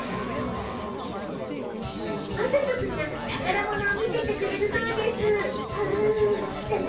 雅都君が宝物を見せてくれるそうです。